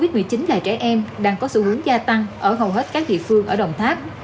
bệnh nhân covid một mươi chín là trẻ em đang có sự hướng gia tăng ở hầu hết các địa phương ở đồng tháp